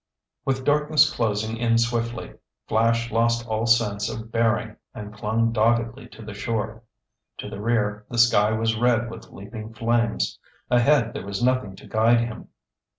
With darkness closing in swiftly, Flash lost all sense of bearing and clung doggedly to the shore. To the rear, the sky was red with leaping flames. Ahead, there was nothing to guide him.